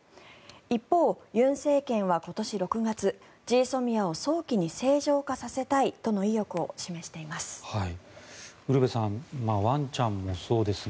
一方、尹政権は今年６月ＧＳＯＭＩＡを早期に正常化させたいとの意欲を示しています。